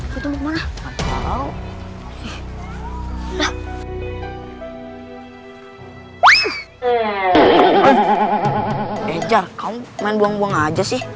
jahlek kau main buang buang aja sih